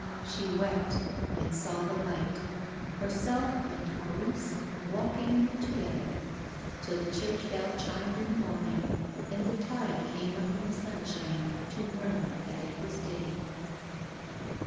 She wept and saw the light, herself and Mau rice walking in it together, till the church bell chimed in the morning, and the tide came up in the sunshine to murmur that it was day.